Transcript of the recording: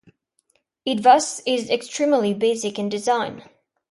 It thus is extremely basic in design.